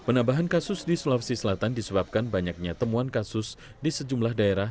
penambahan kasus di sulawesi selatan disebabkan banyaknya temuan kasus di sejumlah daerah